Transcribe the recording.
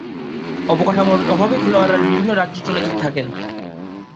অবকাঠামোর অভাবে খেলোয়াড়েরা বিভিন্ন রাজ্যে চলে যেতে থাকেন।